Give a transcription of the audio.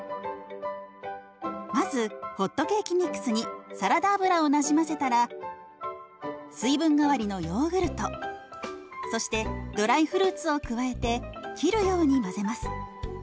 まずホットケーキミックスにサラダ油をなじませたら水分代わりのヨーグルトそしてドライフルーツを加えて切るように混ぜます。